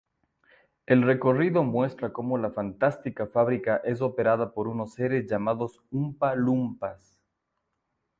El recorrido muestra cómo la fantástica fábrica es operada por unos seres llamados Oompa-Loompas.